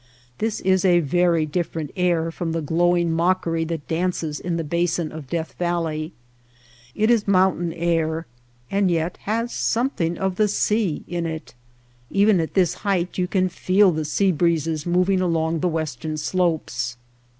This is a very different air from the glowing mockery that dances in the basin of Death Valley. It is mountain air and yet has something of the sea in it. Even at this height you can feel the sea breezes moving along the western slopes.